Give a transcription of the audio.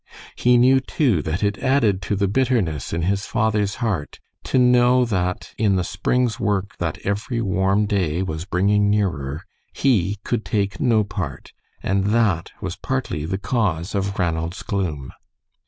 He knew, too, that it added to the bitterness in his father's heart to know that, in the spring's work that every warm day was bringing nearer, he could take no part; and that was partly the cause of Ranald's gloom.